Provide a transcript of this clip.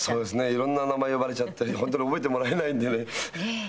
色んな名前呼ばれちゃって本当に覚えてもらえないんでね。